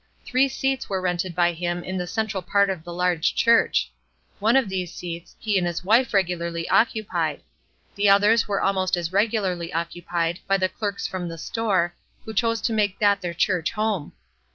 Three seats were rented by him in a central part of the large church. One of these seats he and his wife regularly occupied. The others were almost as regularly occupied by the clerks from the store who chose to make that their church home.